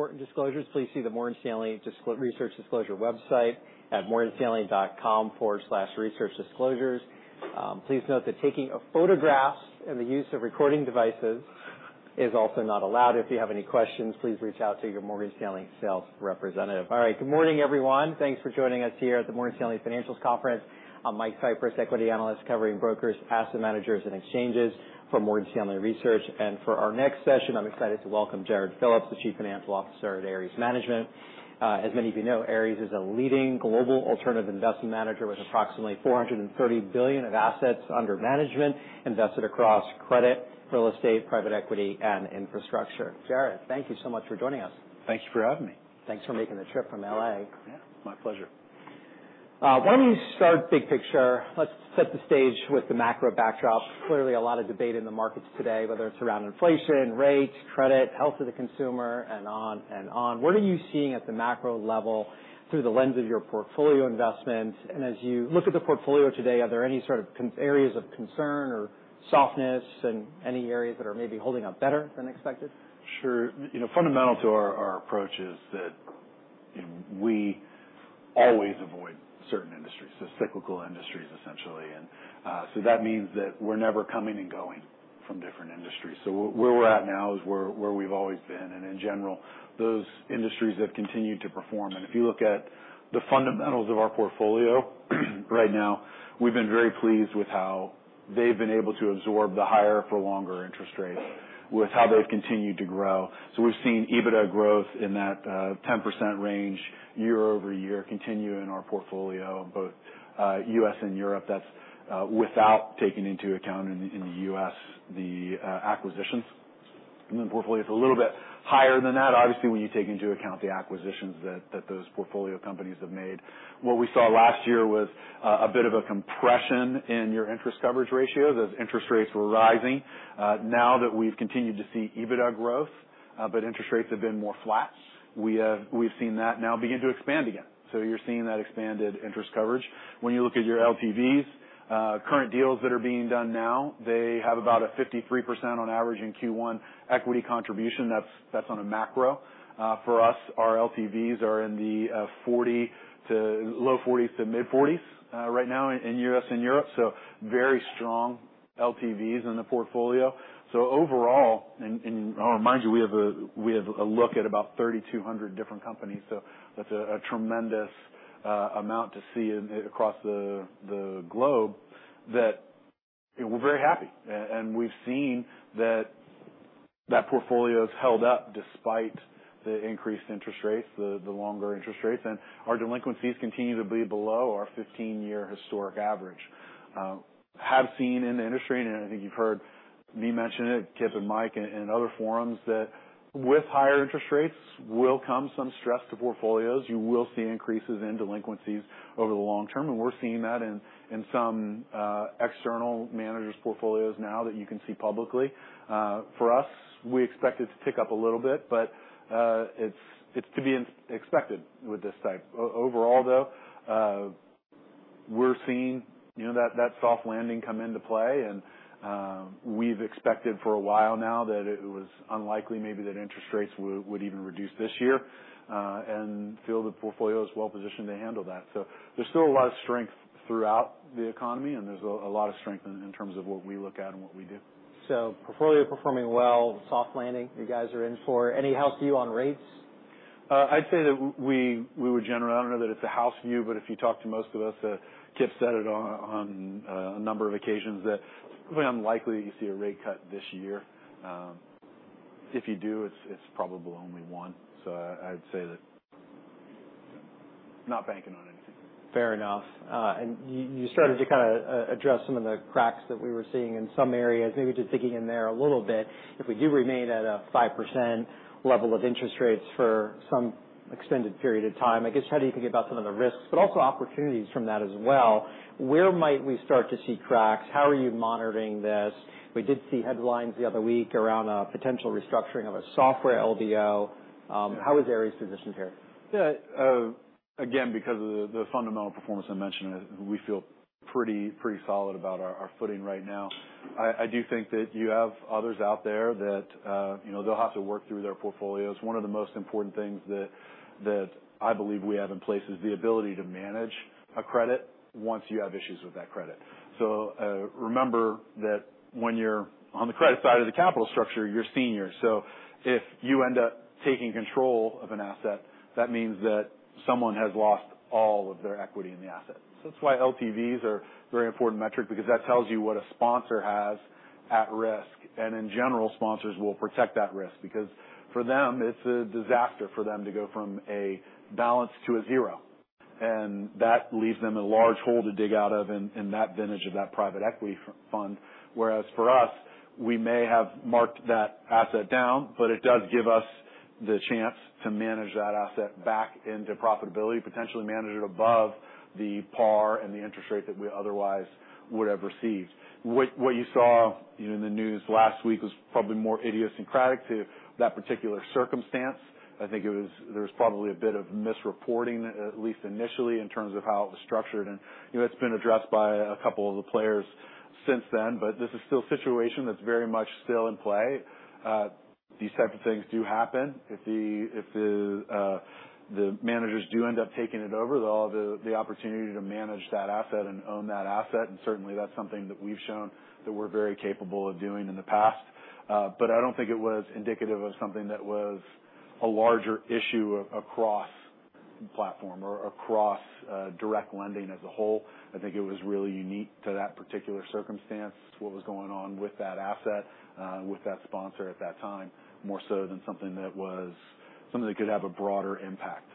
Important disclosures, please see the Morgan Stanley Research Disclosure website at morganstanley.com/researchdisclosures. Please note that taking of photographs and the use of recording devices is also not allowed. If you have any questions, please reach out to your Morgan Stanley sales representative. All right. Good morning, everyone. Thanks for joining us here at the Morgan Stanley Financials Conference. I'm Mike Cyprys, equity analyst, covering brokers, asset managers, and exchanges for Morgan Stanley Research. And for our next session, I'm excited to welcome Jarrod Phillips, the Chief Financial Officer at Ares Management. As many of you know, Ares is a leading global alternative investment manager with approximately $430 billion of assets under management, invested across credit, real estate, private equity, and infrastructure. Jarrod, thank you so much for joining us. Thanks for having me. Thanks for making the trip from L.A. Yeah, my pleasure. Why don't you start big picture? Let's set the stage with the macro backdrop. Clearly, a lot of debate in the markets today, whether it's around inflation, rates, credit, health of the consumer, and on and on. What are you seeing at the macro level through the lens of your portfolio investments? And as you look at the portfolio today, are there any sort of areas of concern or softness and any areas that are maybe holding up better than expected? Sure. You know, fundamental to our approach is that, you know, we always avoid certain industries, so cyclical industries, essentially. And so that means that we're never coming and going from different industries. So where we're at now is where we've always been, and in general, those industries have continued to perform. And if you look at the fundamentals of our portfolio right now, we've been very pleased with how they've been able to absorb the higher for longer interest rates, with how they've continued to grow. So we've seen EBITDA growth in that 10% range year-over-year continue in our portfolio, both U.S. and Europe. That's without taking into account in the U.S. the acquisitions. The portfolio is a little bit higher than that, obviously, when you take into account the acquisitions that those portfolio companies have made. What we saw last year was a bit of a compression in your interest coverage ratio as interest rates were rising. Now that we've continued to see EBITDA growth, but interest rates have been more flat, we've seen that now begin to expand again. So you're seeing that expanded interest coverage. When you look at your LTVs, current deals that are being done now, they have about a 53% on average in Q1 equity contribution. That's on a macro. For us, our LTVs are in the 40 to low 40s to mid-40s right now in U.S. and Europe, so very strong LTVs in the portfolio. So overall, I'll remind you, we have a look at about 3,200 different companies, so that's a tremendous amount to see across the globe that, you know, we're very happy. And we've seen that portfolio has held up despite the increased interest rates, the longer interest rates, and our delinquencies continue to be below our 15-year historic average have seen in the industry, and I think you've heard me mention it, Kip and Mike in other forums, that with higher interest rates will come some stress to portfolios. You will see increases in delinquencies over the long term, and we're seeing that in some external managers' portfolios now that you can see publicly. For us, we expect it to tick up a little bit, but it's to be expected with this type. Overall, though, we're seeing, you know, that soft landing come into play, and we've expected for a while now that it was unlikely maybe that interest rates would even reduce this year, and feel the portfolio is well positioned to handle that. So there's still a lot of strength throughout the economy, and there's a lot of strength in terms of what we look at and what we do. So, portfolio performing well, soft landing, you guys are in for. Any house view on rates? I'd say that we would generally. I don't know that it's a house view, but if you talk to most of us, Kip said it on a number of occasions, that pretty unlikely you see a rate cut this year. If you do, it's probably only one. So I'd say that not banking on anything. Fair enough. And you started to kinda address some of the cracks that we were seeing in some areas. Maybe just digging in there a little bit. If we do remain at a 5% level of interest rates for some extended period of time, I guess, how do you think about some of the risks, but also opportunities from that as well? Where might we start to see cracks? How are you monitoring this? We did see headlines the other week around a potential restructuring of a software LBO. How is Ares positioned here? Yeah, again, because of the fundamental performance I mentioned, we feel pretty solid about our footing right now. I do think that you have others out there that, you know, they'll have to work through their portfolios. One of the most important things that I believe we have in place is the ability to manage a credit once you have issues with that credit. So, remember that when you're on the credit side of the capital structure, you're senior. So if you end up taking control of an asset, that means that someone has lost all of their equity in the asset. So that's why LTVs are a very important metric, because that tells you what a sponsor has at risk. And in general, sponsors will protect that risk, because for them, it's a disaster for them to go from a balance to a zero. And that leaves them a large hole to dig out of in that vintage of that private equity fund. Whereas for us, we may have marked that asset down, but it does give us the chance to manage that asset back into profitability, potentially manage it above the par and the interest rate that we otherwise would have received. What you saw, you know, in the news last week was probably more idiosyncratic to that particular circumstance. I think it was. There was probably a bit of misreporting, at least initially, in terms of how it was structured. And, you know, it's been addressed by a couple of the players. Since then, but this is still a situation that's very much still in play. These type of things do happen. If the managers do end up taking it over, they'll have the opportunity to manage that asset and own that asset, and certainly that's something that we've shown that we're very capable of doing in the past. But I don't think it was indicative of something that was a larger issue across the platform or across direct lending as a whole. I think it was really unique to that particular circumstance, what was going on with that asset with that sponsor at that time, more so than something that could have a broader impact.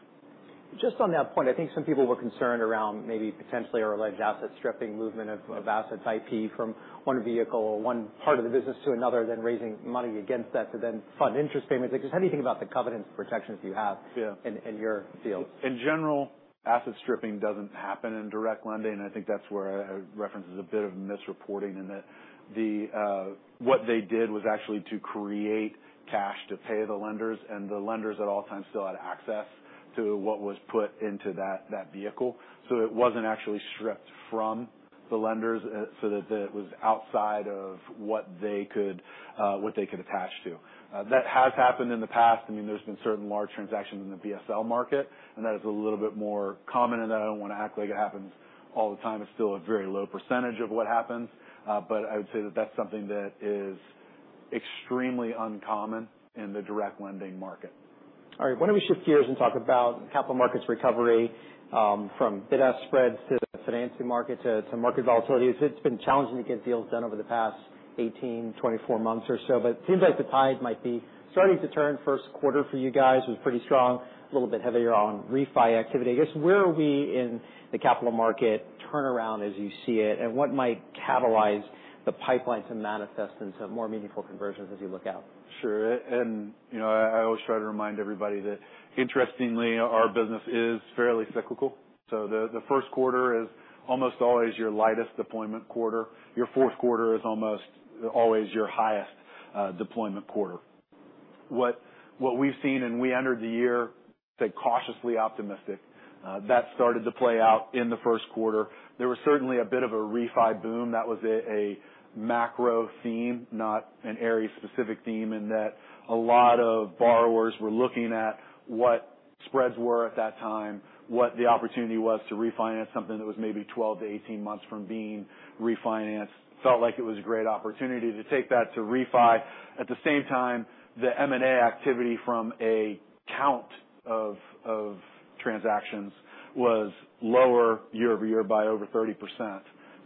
Just on that point, I think some people were concerned around maybe potentially an alleged asset-stripping movement of, of assets IP from one vehicle or one part of the business to another, then raising money against that to then fund interest payments. Just how do you think about the covenant protections you have- Yeah in, in your deals? In general, asset stripping doesn't happen in direct lending, and I think that's where my reference is a bit of misreporting in that what they did was actually to create cash to pay the lenders, and the lenders at all times still had access to what was put into that vehicle. So it wasn't actually stripped from the lenders, so that it was outside of what they could attach to. That has happened in the past. I mean, there's been certain large transactions in the BSL market, and that is a little bit more common, and I don't want to act like it happens all the time. It's still a very low percentage of what happens. But I would say that that's something that is extremely uncommon in the direct lending market. All right. Why don't we shift gears and talk about capital markets recovery, from bid-ask spreads to financing markets to some market volatility. It's been challenging to get deals done over the past 18, 24 months or so, but it seems like the tide might be starting to turn. Q1 for you guys was pretty strong, a little bit heavier on refi activity. I guess, where are we in the capital market turnaround as you see it, and what might catalyze the pipeline to manifest into more meaningful conversions as you look out? Sure. And, you know, I always try to remind everybody that interestingly, our business is fairly cyclical. So the Q1 is almost always your lightest deployment quarter. Your Q4 is almost always your highest deployment quarter. What we've seen, and we entered the year, say, cautiously optimistic. That started to play out in the Q1. There was certainly a bit of a refi boom. That was a macro theme, not an Ares specific theme, in that a lot of borrowers were looking at what spreads were at that time, what the opportunity was to refinance something that was maybe 12-18 months from being refinanced. Felt like it was a great opportunity to take that to refi. At the same time, the M&A activity from a count of transactions was lower year-over-year by over 30%.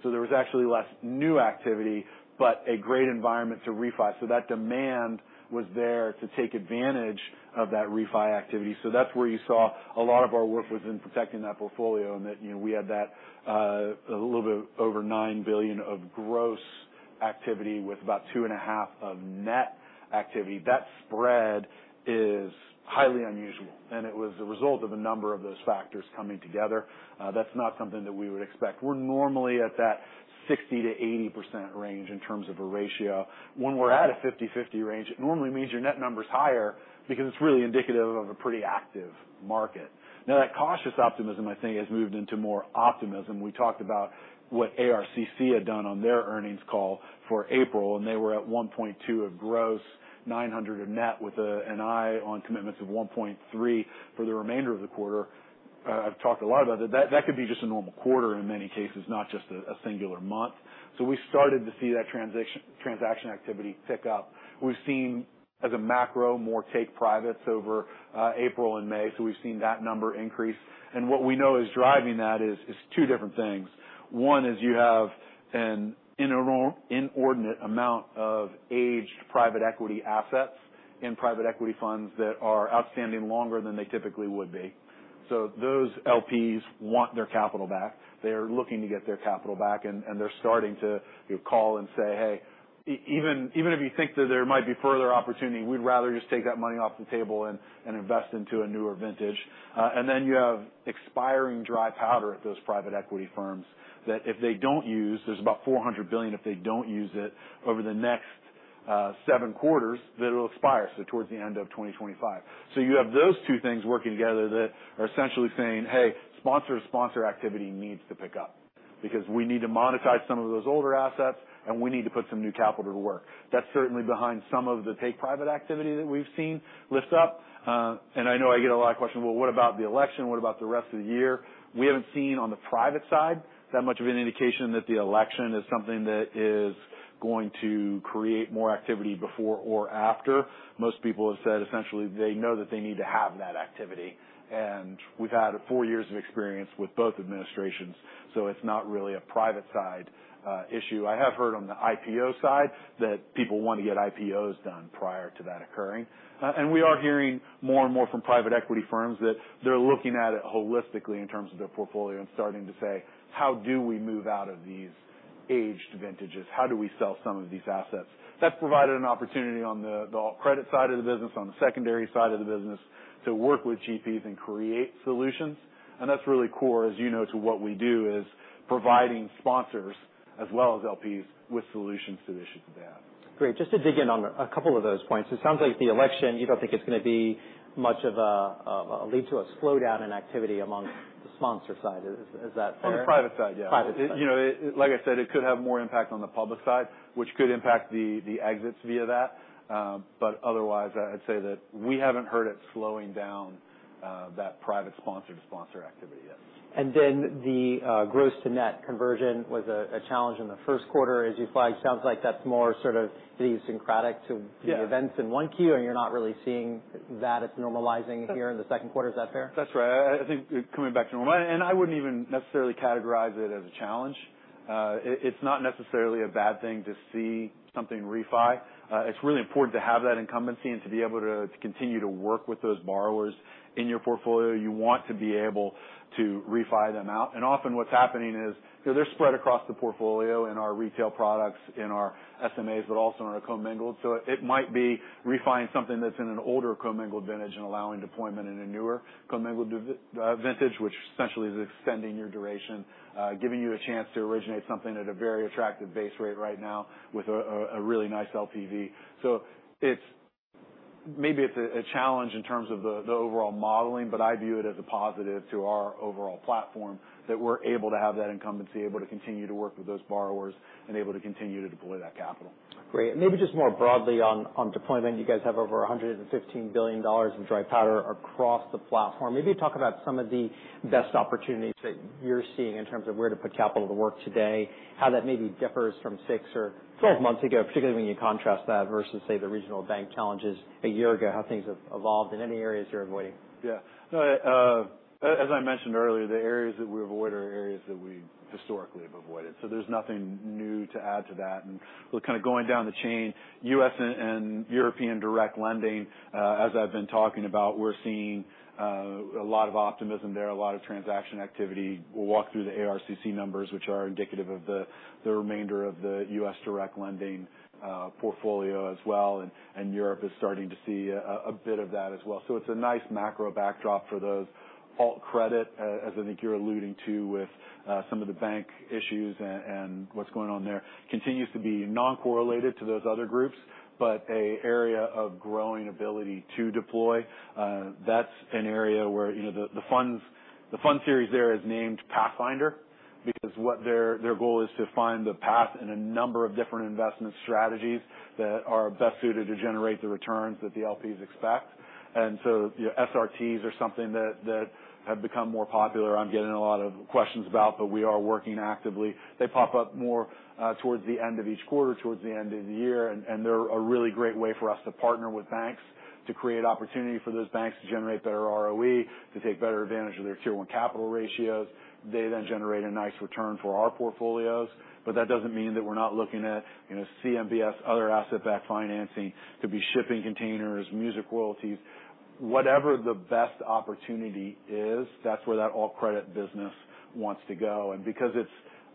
So there was actually less new activity, but a great environment to refi. So that demand was there to take advantage of that refi activity. So that's where you saw a lot of our work was in protecting that portfolio and that, you know, we had that, a little bit over $9 billion of gross activity with about $2.5 billion of net activity. That spread is highly unusual, and it was a result of a number of those factors coming together. That's not something that we would expect. We're normally at that 60%-80% range in terms of a ratio. When we're at a 50/50 range, it normally means your net number is higher because it's really indicative of a pretty active market. Now, that cautious optimism, I think, has moved into more optimism. We talked about what ARCC had done on their earnings call for April, and they were at $1.2 of gross, $900 of net, with an eye on commitments of $1.3 for the remainder of the quarter. I've talked a lot about that. That could be just a normal quarter in many cases, not just a singular month. So we started to see that transaction activity pick up. We've seen, as a macro, more take privates over April and May, so we've seen that number increase. And what we know is driving that is two different things. One is you have an inordinate amount of aged private equity assets in private equity funds that are outstanding longer than they typically would be. So those LPs want their capital back. They're looking to get their capital back, and they're starting to call and say, "Hey, even if you think that there might be further opportunity, we'd rather just take that money off the table and invest into a newer vintage." And then you have expiring dry powder at those private equity firms that if they don't use... There's about $400 billion, if they don't use it over the next seven quarters, then it'll expire, so towards the end of 2025. So you have those two things working together that are essentially saying, "Hey, sponsor to sponsor activity needs to pick up because we need to monetize some of those older assets, and we need to put some new capital to work." That's certainly behind some of the take private activity that we've seen lift up. And I know I get a lot of questions, "Well, what about the election? What about the rest of the year?" We haven't seen on the private side that much of an indication that the election is something that is going to create more activity before or after. Most people have said, essentially, they know that they need to have that activity, and we've had four years of experience with both administrations, so it's not really a private side issue. I have heard on the IPO side that people want to get IPOs done prior to that occurring. And we are hearing more and more from private equity firms that they're looking at it holistically in terms of their portfolio and starting to say, "How do we move out of these aged vintages? How do we sell some of these assets?" That's provided an opportunity on the credit side of the business, on the secondary side of the business, to work with GPs and create solutions. And that's really core, as you know, to what we do, is providing sponsors as well as LPs with solutions to issues they have. Great. Just to dig in on a couple of those points, it sounds like the election, you don't think it's going to be much of a lead to a slowdown in activity among sponsor side. Is that fair? On the private side, yeah. Private side. You know, like I said, it could have more impact on the public side, which could impact the exits via that. But otherwise, I'd say that we haven't heard it slowing down that private sponsor-to-sponsor activity yet. And then the gross to net conversion was a challenge in the Q1, as you flagged. Sounds like that's more sort of idiosyncratic to- Yeah The events in 1Q, and you're not really seeing that it's normalizing here in the Q2. Is that fair? That's right. I think coming back to... And I wouldn't even necessarily categorize it as a challenge. It's not necessarily a bad thing to see something refi. It's really important to have that incumbency and to be able to continue to work with those borrowers in your portfolio. You want to be able to refi them out. And often what's happening is, you know, they're spread across the portfolio in our retail products, in our SMAs, but also in our commingled. So it might be refi-ing something that's in an older commingled vintage and allowing deployment in a newer commingled vintage, which essentially is extending your duration, giving you a chance to originate something at a very attractive base rate right now with a really nice LTV. So it's maybe a challenge in terms of the overall modeling, but I view it as a positive to our overall platform, that we're able to have that incumbency, able to continue to work with those borrowers, and able to continue to deploy that capital. Great. And maybe just more broadly on deployment, you guys have over $115 billion in dry powder across the platform. Maybe talk about some of the best opportunities that you're seeing in terms of where to put capital to work today, how that maybe differs from six or- Sure 12 months ago, particularly when you contrast that versus, say, the regional bank challenges a year ago, how things have evolved, and any areas you're avoiding? Yeah. No, as I mentioned earlier, the areas that we avoid are areas that we historically have avoided, so there's nothing new to add to that. And look, kind of going down the chain, U.S. and European direct lending, as I've been talking about, we're seeing a lot of optimism there, a lot of transaction activity. We'll walk through the ARCC numbers, which are indicative of the remainder of the U.S. direct lending portfolio as well. And Europe is starting to see a bit of that as well. So it's a nice macro backdrop for those. Alt credit, as I think you're alluding to with some of the bank issues and what's going on there, continues to be non-correlated to those other groups, but an area of growing ability to deploy. That's an area where, you know, the fund series there is named Pathfinder, because their goal is to find the path in a number of different investment strategies that are best suited to generate the returns that the LPs expect. And so, you know, SRTs are something that have become more popular. I'm getting a lot of questions about, but we are working actively. They pop up more towards the end of each quarter, towards the end of the year, and they're a really great way for us to partner with banks to create opportunity for those banks to generate better ROE, to take better advantage of their Tier 1 capital ratios. They then generate a nice return for our portfolios, but that doesn't mean that we're not looking at, you know, CMBS, other asset-backed financing, could be shipping containers, music royalties. Whatever the best opportunity is, that's where that alt credit business wants to go. And because it's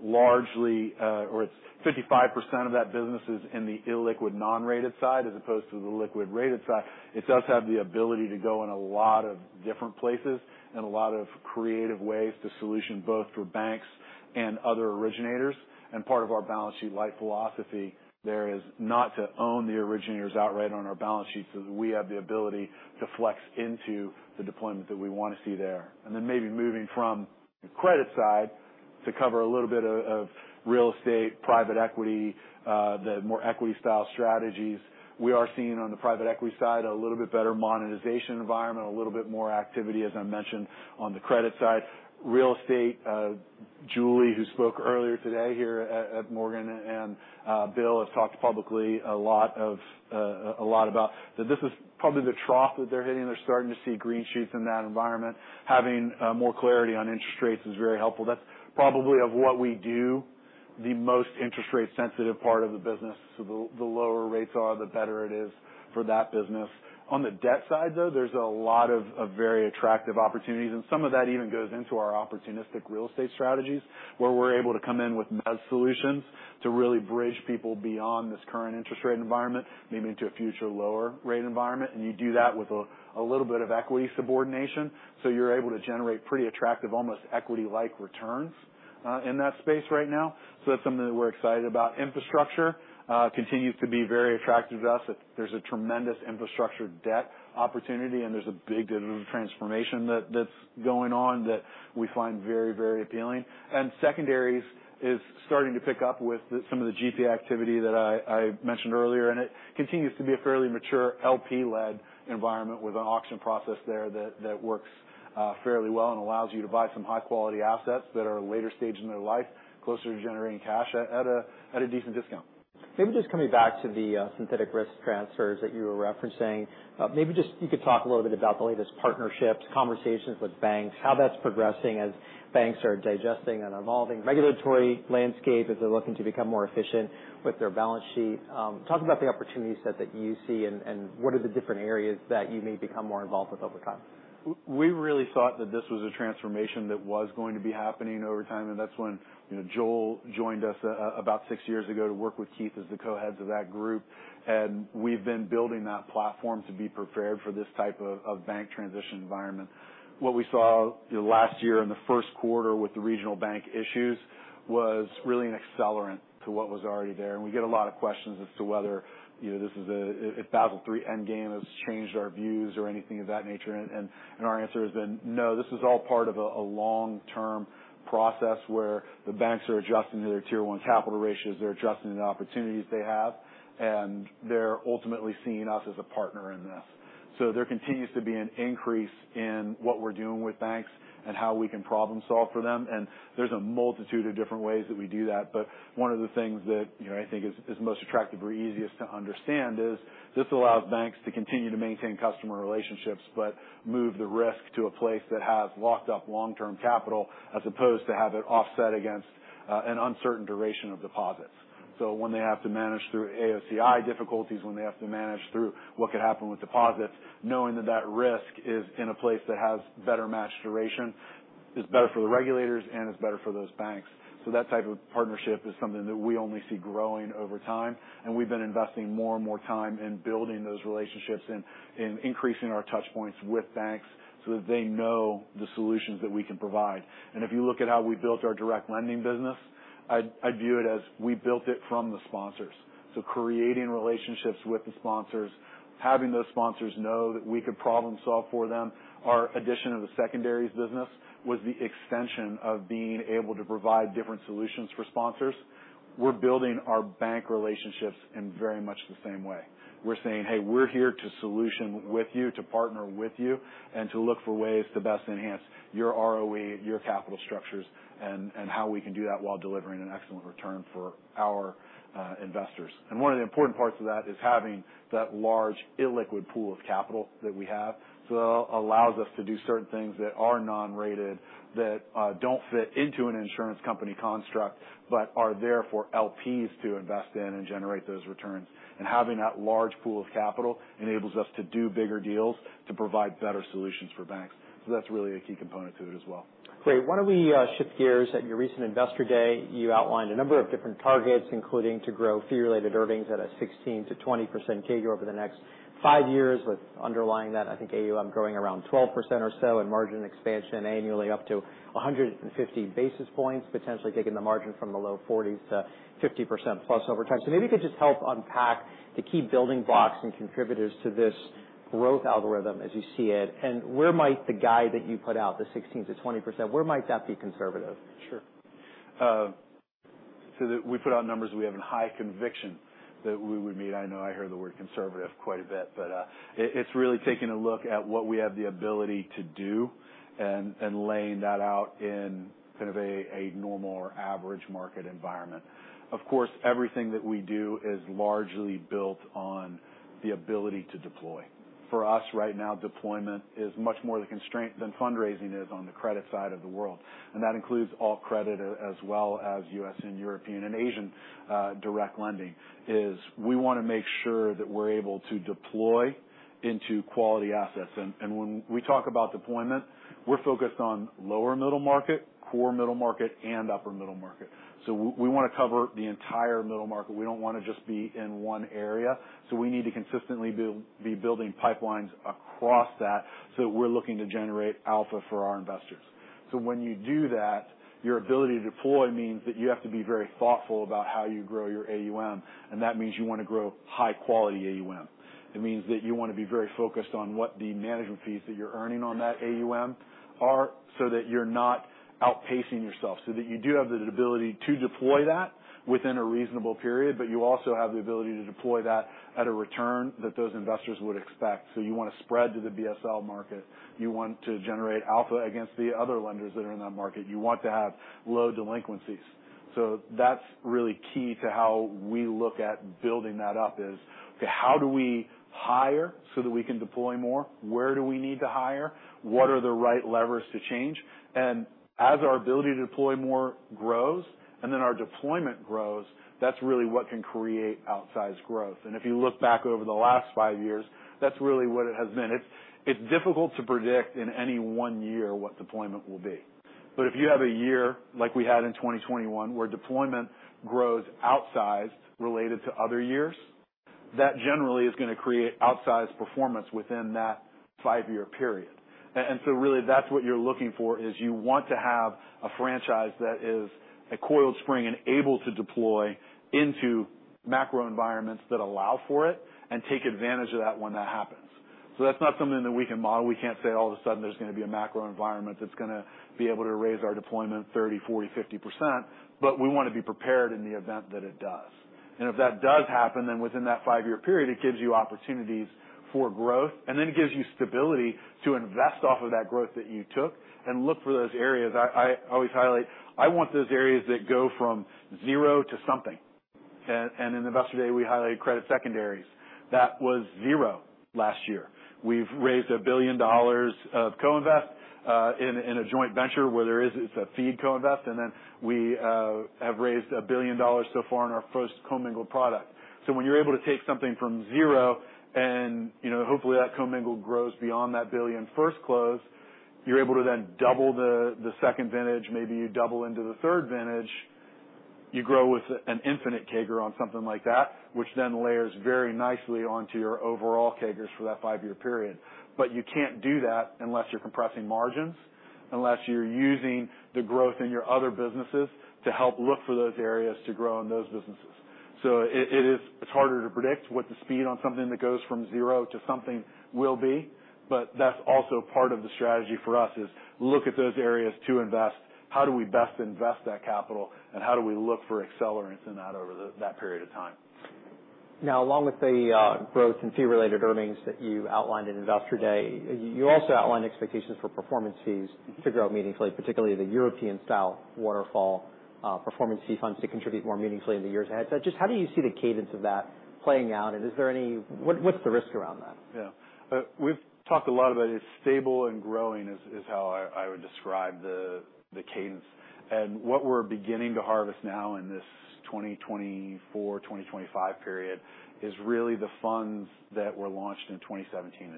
largely, or it's 55% of that business is in the illiquid, non-rated side as opposed to the liquid-rated side, it does have the ability to go in a lot of different places and a lot of creative ways to solution, both for banks and other originators. And part of our balance sheet-light philosophy there is not to own the originators outright on our balance sheet so that we have the ability to flex into the deployments that we wanna see there. And then maybe moving from the credit side to cover a little bit of real estate, private equity, the more equity-style strategies. We are seeing on the private equity side, a little bit better monetization environment, a little bit more activity, as I mentioned, on the credit side. Real estate, Julie, who spoke earlier today here at Morgan, and Bill, have talked publicly a lot about that this is probably the trough that they're hitting. They're starting to see green shoots in that environment. Having more clarity on interest rates is very helpful. That's probably of what we do, the most interest rate sensitive part of the business, so the lower rates are, the better it is for that business. On the debt side, though, there's a lot of very attractive opportunities, and some of that even goes into our opportunistic real estate strategies, where we're able to come in with mezz solutions to really bridge people beyond this current interest rate environment, maybe into a future lower rate environment. And you do that with a little bit of equity subordination, so you're able to generate pretty attractive, almost equity-like returns in that space right now. So that's something that we're excited about. Infrastructure continues to be very attractive to us. There's a tremendous infrastructure debt opportunity, and there's a big transformation that's going on that we find very, very appealing. And secondaries is starting to pick up with some of the GP activity that I, I mentioned earlier, and it continues to be a fairly mature, LP-led environment with an auction process there that, that works fairly well and allows you to buy some high-quality assets that are later stage in their life, closer to generating cash at a, at a decent discount. Maybe just coming back to the synthetic risk transfers that you were referencing. Maybe just you could talk a little bit about the latest partnerships, conversations with banks, how that's progressing as banks are digesting and evolving regulatory landscape as they're looking to become more efficient with their balance sheet. Talk about the opportunity set that you see, and, and what are the different areas that you may become more involved with over time? We really thought that this was a transformation that was going to be happening over time, and that's when, you know, Joel joined us about six years ago to work with Keith as the co-heads of that group. And we've been building that platform to be prepared for this type of bank transition environment. What we saw, you know, last year in the Q1 with the regional bank issues was really an accelerant to what was already there. And we get a lot of questions as to whether, you know, this is a, if Basel III endgame has changed our views or anything of that nature. And our answer has been, "No, this is all part of a long-term process where the banks are adjusting to their Tier 1 capital ratios, they're adjusting the opportunities they have, and they're ultimately seeing us as a partner in this." So there continues to be an increase in what we're doing with banks and how we can problem solve for them. And there's a multitude of different ways that we do that. But one of the things that, you know, I think is most attractive or easiest to understand is this allows banks to continue to maintain customer relationships, but move the risk to a place that has locked up long-term capital, as opposed to have it offset against an uncertain duration of deposits. So when they have to manage through AOCI difficulties, when they have to manage through what could happen with deposits, knowing that that risk is in a place that has better matched duration, is better for the regulators, and is better for those banks. So that type of partnership is something that we only see growing over time, and we've been investing more and more time in building those relationships and, and increasing our touchpoints with banks so that they know the solutions that we can provide. And if you look at how we built our direct lending business, I'd, I'd view it as we built it from the sponsors. So creating relationships with the sponsors, having those sponsors know that we could problem solve for them. Our addition of the secondaries business was the extension of being able to provide different solutions for sponsors. We're building our bank relationships in very much the same way. We're saying, "Hey, we're here to solution with you, to partner with you, and to look for ways to best enhance your ROE, your capital structures, and how we can do that while delivering an excellent return for our investors." One of the important parts of that is having that large illiquid pool of capital that we have. So that allows us to do certain things that are non-rated, that don't fit into an insurance company construct, but are there for LPs to invest in and generate those returns. And having that large pool of capital enables us to do bigger deals, to provide better solutions for banks. So that's really a key component to it as well. Great. Why don't we shift gears? At your recent Investor Day, you outlined a number of different targets, including to grow fee-related earnings at a 16%-20% CAGR over the next five years, with underlying that, I think, AUM growing around 12% or so, and margin expansion annually up to 150 basis points, potentially taking the margin from the low 40%-50% plus over time. So maybe you could just help unpack the key building blocks and contributors to this growth algorithm as you see it, and where might the guide that you put out, the 16%-20%, where might that be conservative? Sure. So we put out numbers we have in high conviction that we would meet. I know I hear the word conservative quite a bit, but it’s really taking a look at what we have the ability to do and laying that out in kind of a normal or average market environment. Of course, everything that we do is largely built on the ability to deploy. For us, right now, deployment is much more the constraint than fundraising is on the credit side of the world. And that includes all credit, as well as U.S. and European and Asian direct lending is we wanna make sure that we’re able to deploy into quality assets. And when we talk about deployment, we’re focused on lower middle market, core middle market, and upper middle market. So we wanna cover the entire middle market. We don't wanna just be in one area, so we need to consistently be building pipelines across that, so that we're looking to generate alpha for our investors. So when you do that, your ability to deploy means that you have to be very thoughtful about how you grow your AUM, and that means you wanna grow high quality AUM. It means that you wanna be very focused on what the management fees that you're earning on that AUM are, so that you're not outpacing yourself, so that you do have the ability to deploy that within a reasonable period, but you also have the ability to deploy that at a return that those investors would expect. So you wanna spread to the BSL market. You want to generate alpha against the other lenders that are in that market. You want to have low delinquencies. So that's really key to how we look at building that up, is, how do we hire so that we can deploy more? Where do we need to hire? What are the right levers to change? And as our ability to deploy more grows, and then our deployment grows, that's really what can create outsized growth. And if you look back over the last five years, that's really what it has been. It's difficult to predict in any one year what deployment will be. But if you have a year, like we had in 2021, where deployment grows outsized related to other years, that generally is gonna create outsized performance within that five-year period. And so really, that's what you're looking for, is you want to have a franchise that is a coiled spring and able to deploy into macro environments that allow for it, and take advantage of that when that happens. So that's not something that we can model. We can't say all of a sudden there's gonna be a macro environment that's gonna be able to raise our deployment 30, 40, 50%, but we wanna be prepared in the event that it does. And if that does happen, then within that five-year period, it gives you opportunities for growth, and then it gives you stability to invest off of that growth that you took and look for those areas. I always highlight, I want those areas that go from zero to something. And in Investor Day, we highlighted credit secondaries. That was zero last year. We've raised $1 billion of co-invest, in a joint venture where there is, it's a feed co-invest, and then we have raised $1 billion so far in our first commingled product. So when you're able to take something from 0 and, you know, hopefully, that commingled grows beyond that $1 billion first close, you're able to then double the second vintage, maybe you double into the third vintage. You grow with an infinite CAGR on something like that, which then layers very nicely onto your overall CAGRs for that 5-year period. But you can't do that unless you're compressing margins, unless you're using the growth in your other businesses to help look for those areas to grow in those businesses. So it is, it's harder to predict what the speed on something that goes from 0 to something will be. That's also part of the strategy for us, is look at those areas to invest. How do we best invest that capital? And how do we look for accelerants in that over that period of time? Now, along with the growth in fee-related earnings that you outlined in Investor Day, you also outlined expectations for performance fees to grow meaningfully, particularly the European-style waterfall performance fee funds to contribute more meaningfully in the years ahead. So just how do you see the cadence of that playing out? And is there any? What's the risk around that? Yeah. We've talked a lot about it. It's stable and growing, is how I would describe the cadence. And what we're beginning to harvest now in this 2024, 2025 period, is really the funds that were launched in 2017-2018.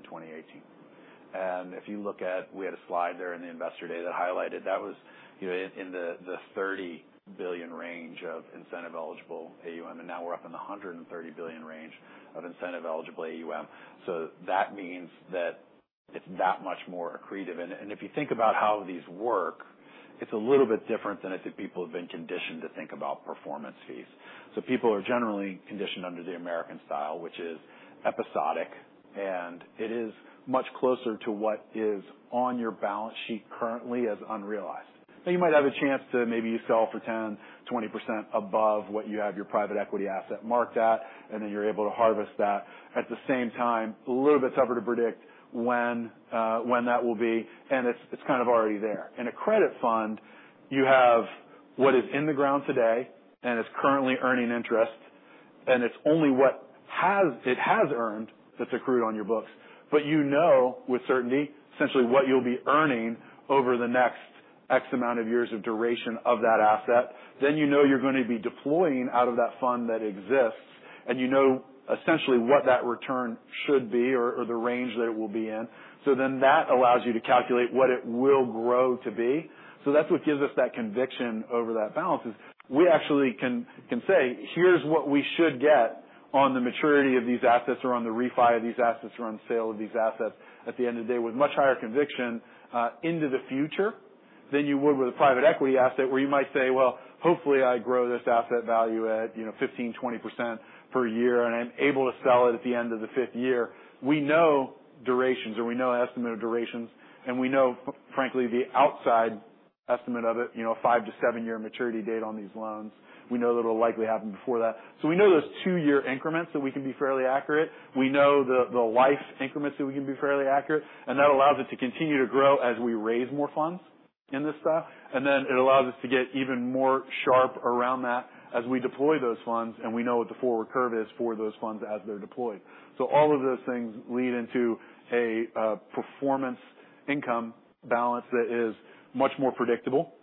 And if you look at, we had a slide there in the Investor Day that highlighted, that was, you know, in the $30 billion range of incentive-eligible AUM, and now we're up in the $130 billion range of incentive-eligible AUM. So that means that it's that much more accretive. And if you think about how these work, it's a little bit different than I think people have been conditioned to think about performance fees. So people are generally conditioned under the American style, which is episodic, and it is much closer to what is on your balance sheet currently as unrealized. So you might have a chance to maybe sell for 10%-20% above what you have your private equity asset marked at, and then you're able to harvest that. At the same time, a little bit tougher to predict when that will be, and it's kind of already there. In a credit fund, you have what is in the ground today and is currently earning interest, and it's only what it has earned that's accrued on your books. But you know with certainty, essentially, what you'll be earning over the next X amount of years of duration of that asset, then you know you're going to be deploying out of that fund that exists, and you know, essentially, what that return should be or, or the range that it will be in. So then that allows you to calculate what it will grow to be. So that's what gives us that conviction over that balance, is we actually can, can say: Here's what we should get on the maturity of these assets or on the refi of these assets or on sale of these assets, at the end of the day, with much higher conviction into the future than you would with a private equity asset, where you might say, "Well, hopefully, I grow this asset value at, you know, 15%-20% per year, and I'm able to sell it at the end of the fifth year." We know durations, or we know estimate of durations, and we know, frankly, the outside estimate of it, you know, a 5- to 7-year maturity date on these loans. We know that it'll likely happen before that. So we know those 2-year increments, so we can be fairly accurate. We know the life increments, so we can be fairly accurate, and that allows it to continue to grow as we raise more funds in this stuff. And then it allows us to get even more sharp around that as we deploy those funds, and we know what the forward curve is for those funds as they're deployed. So all of those things lead into a performance income balance that is much more predictable.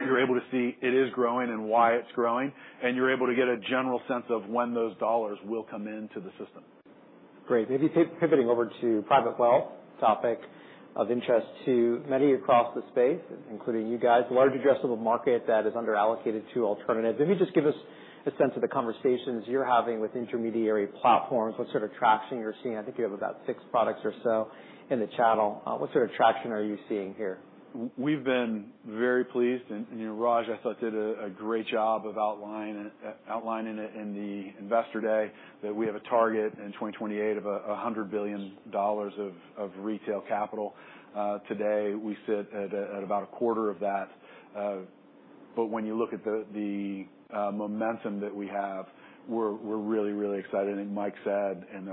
You're able to see it is growing and why it's growing, and you're able to get a general sense of when those dollars will come into the system. Great. Maybe pivoting over to private wealth, topic of interest to many across the space, including you guys. A large addressable market that is underallocated to alternatives. Maybe just give us a sense of the conversations you're having with intermediary platforms. What sort of traction you're seeing? I think you have about six products or so in the channel. What sort of traction are you seeing here? We've been very pleased, and Raj, I thought did a great job of outlining it in the Investor Day, that we have a target in 2028 of $100 billion of retail capital. Today, we sit at about a quarter of that, but when you look at the momentum that we have, we're really excited. And Mike said in the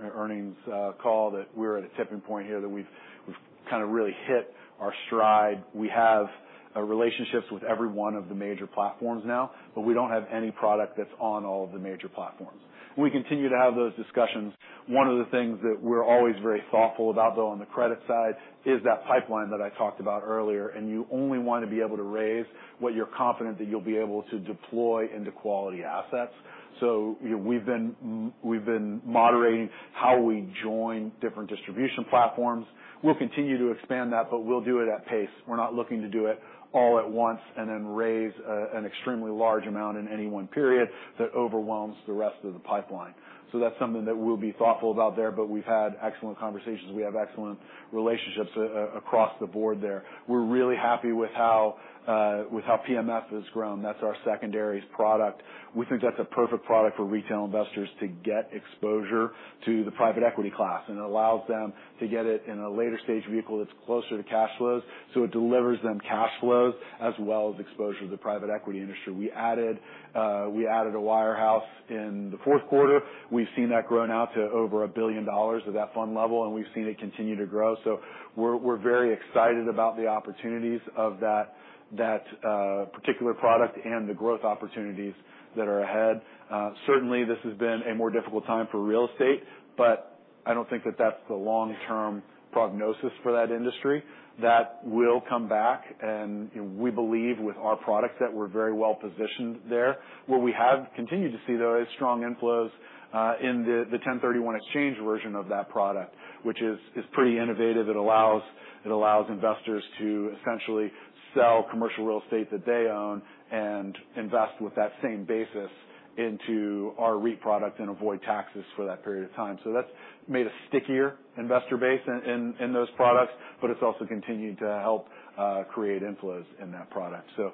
earnings call, that we're at a tipping point here, that we've kind of really hit our stride. We have relationships with every one of the major platforms now, but we don't have any product that's on all of the major platforms. We continue to have those discussions. One of the things that we're always very thoughtful about, though, on the credit side, is that pipeline that I talked about earlier, and you only want to be able to raise what you're confident that you'll be able to deploy into quality assets. So we've been moderating how we join different distribution platforms. We'll continue to expand that, but we'll do it at pace. We're not looking to do it all at once and then raise an extremely large amount in any one period that overwhelms the rest of the pipeline. So that's something that we'll be thoughtful about there, but we've had excellent conversations. We have excellent relationships across the board there. We're really happy with how, with how PMF has grown. That's our secondaries product. We think that's a perfect product for retail investors to get exposure to the private equity class, and it allows them to get it in a later stage vehicle that's closer to cash flows, so it delivers them cash flows as well as exposure to the private equity industry. We added a wirehouse in the Q4. We've seen that grow now to over $1 billion of that fund level, and we've seen it continue to grow. So we're very excited about the opportunities of that particular product and the growth opportunities that are ahead. Certainly, this has been a more difficult time for real estate, but I don't think that that's the long-term prognosis for that industry. That will come back, and we believe with our products, that we're very well positioned there. Where we have continued to see, though, is strong inflows in the 1031 exchange version of that product, which is pretty innovative. It allows investors to essentially sell commercial real estate that they own and invest with that same basis into our REIT product and avoid taxes for that period of time. So that's made a stickier investor base in those products, but it's also continued to help create inflows in that product. So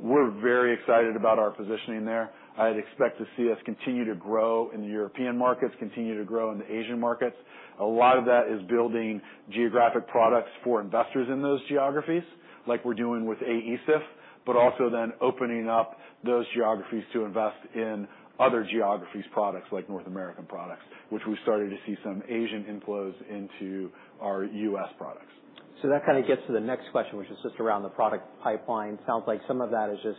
we're very excited about our positioning there. I'd expect to see us continue to grow in the European markets, continue to grow in the Asian markets. A lot of that is building geographic products for investors in those geographies, like we're doing with AESIF. but also then opening up those geographies to invest in other geographies products, like North American products, which we've started to see some Asian inflows into our U.S. products. So that kind of gets to the next question, which is just around the product pipeline. Sounds like some of that is just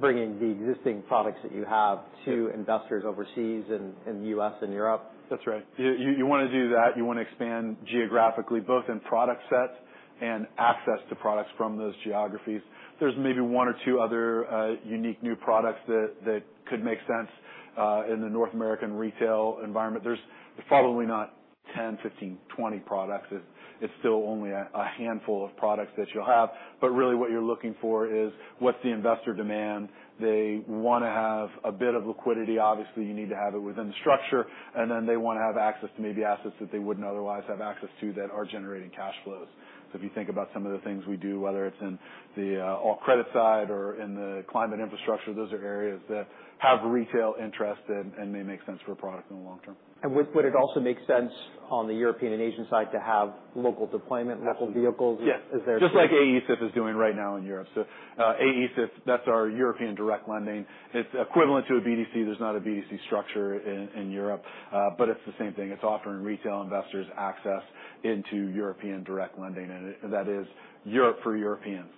bringing the existing products that you have to investors overseas and U.S. and Europe. That's right. You wanna do that. You wanna expand geographically, both in product sets and access to products from those geographies. There's maybe one or two other unique new products that could make sense in the North American retail environment. There's probably not 10, 15, 20 products. It's still only a handful of products that you'll have. But really, what you're looking for is, what's the investor demand? They wanna have a bit of liquidity. Obviously, you need to have it within the structure, and then they wanna have access to maybe assets that they wouldn't otherwise have access to that are generating cash flows. So if you think about some of the things we do, whether it's in the credit side or in the climate infrastructure, those are areas that have retail interest and may make sense for a product in the long term. Would it also make sense on the European and Asian side to have local deployment, local vehicles? Yes. Is there- Just like AESIF is doing right now in Europe. So, AESIF, that's our European direct lending. It's equivalent to a BDC. There's not a BDC structure in Europe, but it's the same thing. It's offering retail investors access into European direct lending, and that is Europe for Europeans.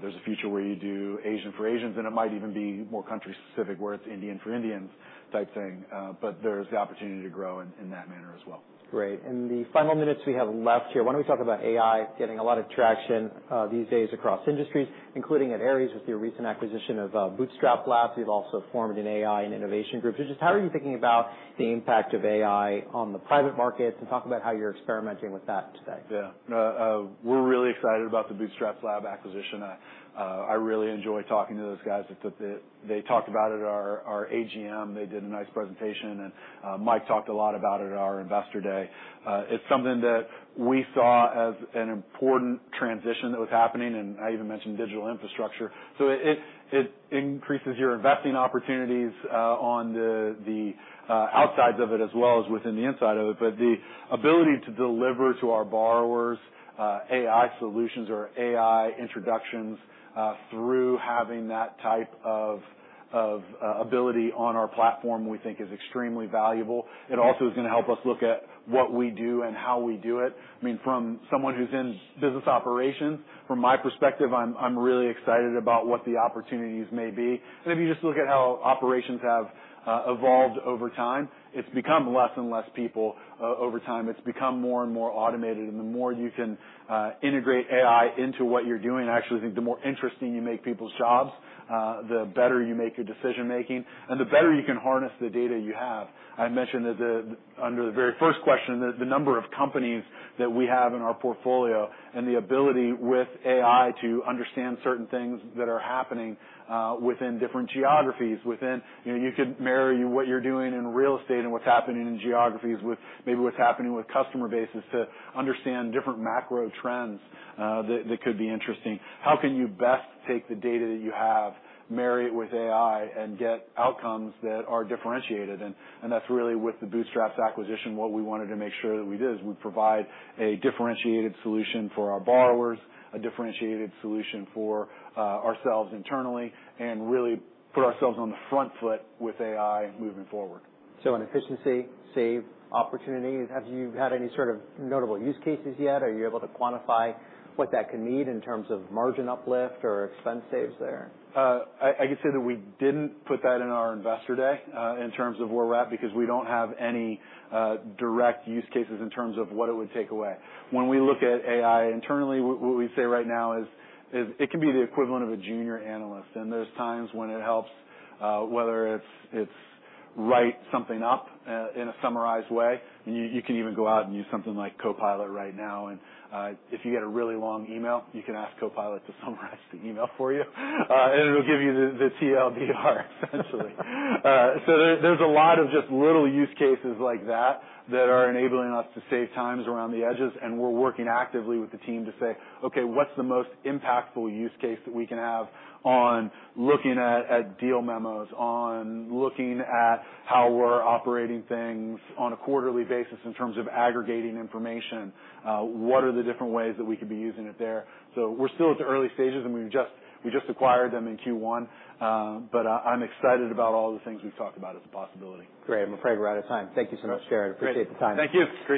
There's a future where you do Asian for Asians, and it might even be more country-specific, where it's Indian for Indians type thing. But there's the opportunity to grow in that manner as well. Great. In the final minutes we have left here, why don't we talk about AI getting a lot of traction, these days across industries, including at Ares, with your recent acquisition of, BootstrapLabs. You've also formed an AI and innovation group. So just how are you thinking about the impact of AI on the private markets? And talk about how you're experimenting with that today. Yeah. We're really excited about the BootstrapLabs acquisition. I really enjoy talking to those guys. They talked about it at our AGM. They did a nice presentation, and Mike talked a lot about it at our Investor Day. It's something that we saw as an important transition that was happening, and I even mentioned digital infrastructure. So it increases your investing opportunities on the outsides of it, as well as within the inside of it. But the ability to deliver to our borrowers AI solutions or AI introductions through having that type of ability on our platform, we think is extremely valuable. It also is gonna help us look at what we do and how we do it. I mean, from someone who's in business operations, from my perspective, I'm, I'm really excited about what the opportunities may be. And if you just look at how operations have evolved over time, it's become less and less people over time. It's become more and more automated. And the more you can integrate AI into what you're doing, I actually think the more interesting you make people's jobs, the better you make your decision-making and the better you can harness the data you have. I mentioned that under the very first question, the number of companies that we have in our portfolio and the ability with AI to understand certain things that are happening within different geographies. You know, you could marry what you're doing in real estate and what's happening in geographies with maybe what's happening with customer bases to understand different macro trends, that could be interesting. How can you best take the data that you have, marry it with AI, and get outcomes that are differentiated? And that's really with the Bootstrap's acquisition, what we wanted to make sure that we did, is we provide a differentiated solution for our borrowers, a differentiated solution for ourselves internally, and really put ourselves on the front foot with AI moving forward. So an efficiency save opportunity. Have you had any sort of notable use cases yet? Are you able to quantify what that can mean in terms of margin uplift or expense saves there? I could say that we didn't put that in our Investor Day in terms of where we're at, because we don't have any direct use cases in terms of what it would take away. When we look at AI internally, what we'd say right now is it can be the equivalent of a junior analyst, and there's times when it helps, whether it's write something up in a summarized way, and you can even go out and use something like Copilot right now, and if you get a really long email, you can ask Copilot to summarize the email for you, and it'll give you the TLDR, essentially. So there's a lot of just little use cases like that that are enabling us to save times around the edges, and we're working actively with the team to say, "Okay, what's the most impactful use case that we can have on looking at deal memos, on looking at how we're operating things on a quarterly basis in terms of aggregating information? What are the different ways that we could be using it there?" So we're still at the early stages, and we've just acquired them in Q1. But I'm excited about all the things we've talked about as a possibility. Great. I'm afraid we're out of time. Thank you so much, Jarrod. Great. Appreciate the time. Thank you. Great to be here.